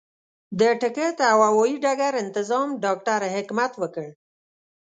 د ټکټ او هوايي ډګر انتظام ډاکټر حکمت وکړ.